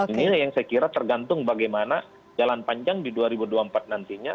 ini yang saya kira tergantung bagaimana jalan panjang di dua ribu dua puluh empat nantinya